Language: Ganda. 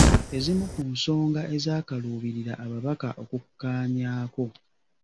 Ezimu ku nsonga ezaakaluubirira ababaka okukkaanyaako.